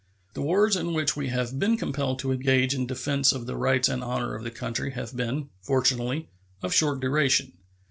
The wars in which we have been compelled to engage in defense of the rights and honor of the country have been, fortunately, of short duration.